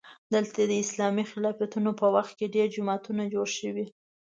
دلته د اسلامي خلافتونو په وخت کې ډېر جوماتونه جوړ شوي.